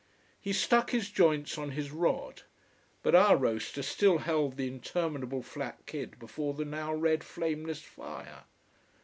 He stuck his joints on his rod. But our roaster still held the interminable flat kid before the now red, flameless fire.